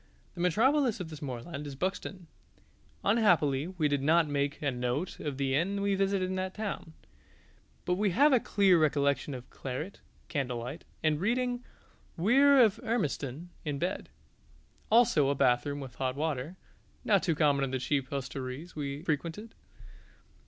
The metropolis of this moorland is Buxton: unhappily we did not make a note of the inn we visited in that town; but we have a clear recollection of claret, candlelight, and reading "Weir of Hermiston" in bed; also a bathroom with hot water, not too common in the cheap hostelries we frequented.